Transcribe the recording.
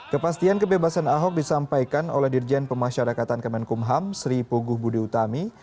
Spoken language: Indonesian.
kepastian kebebasan ahok disampaikan oleh dirjen pemasyarakatan kemenkumham sri puguh budi utami